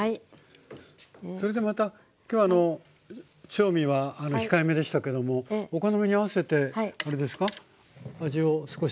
それでまた今日は調味は控えめでしたけどもお好みに合わせてあれですか味を少し。